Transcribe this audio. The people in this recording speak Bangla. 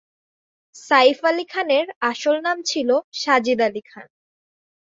সাইফ আলী খানের আসল নাম ছিল সাজিদ আলী খান।